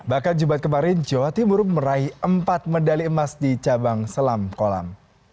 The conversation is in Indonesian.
bahkan jumat kemarin jawa timur meraih empat medali emas di cabang selam kolam